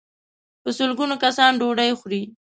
په سل ګونو کسان ډوډۍ خوري.